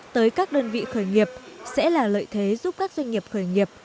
tới các đơn vị khởi nghiệp sẽ là lợi thế giúp các doanh nghiệp khởi nghiệp